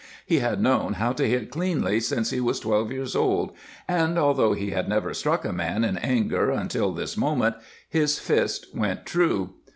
He had known how to hit cleanly since he was twelve years old, and although he had never struck a man in anger until this moment, his fist went true.